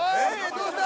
どうした？